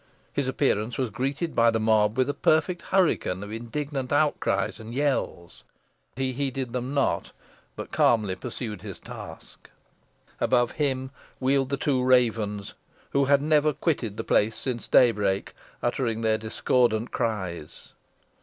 His appearance was greeted by the mob with a perfect hurricane of indignant outcries and yells. But he heeded them not, but calmly pursued his task. Above him wheeled the two ravens, who had never quitted the place since daybreak, uttering their discordant cries.